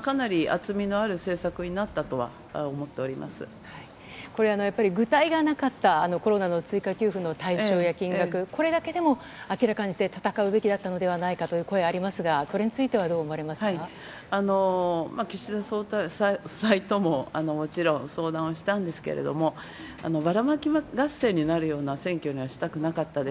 かなり厚みのある政策になったとこれ、やっぱり具体がなかった、コロナの追加給付の対象や政策、これだけでも明らかにして戦うべきだったのではないかという声、ありますが、それについてはどう岸田総裁とももちろん相談をしたんですけれども、ばらまき合戦になるような選挙にはしたくなかったです。